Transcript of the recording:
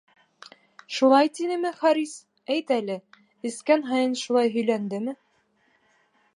Шулай тинеме, Харис, әйт әле, эскән һайын шулай һөйләндеме?